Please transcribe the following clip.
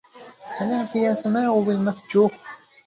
أرأفي يا سماء بالمفجوع